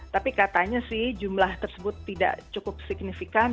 tapi katanya sih jumlah tersebut tidak cukup signifikan